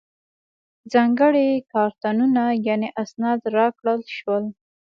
ځانګړي کارتونه یعنې اسناد راکړل شول.